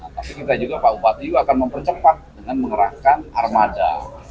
tapi kita juga pak upatiu akan mempercepat dengan menggerakkan armada